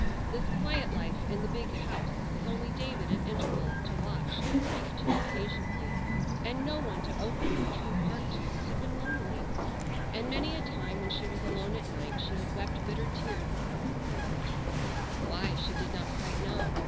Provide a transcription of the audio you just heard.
This quiet life in the big house, with only David at intervals to watch and speak to occasionally, and no one to open her true heart to, had been lonely; and many a time when she was alone at night she had wept bitter tears upon her pillow,—why she did not quite know.